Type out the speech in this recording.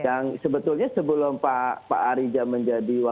yang sebetulnya sebelum pak arija menjadi wajar pak arija menjadi wajar